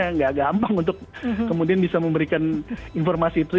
tidak gampang untuk kemudian bisa memberikan informasi itu